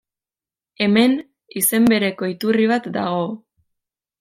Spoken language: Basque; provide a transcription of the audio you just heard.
Hemen, izen bereko iturri bat dago.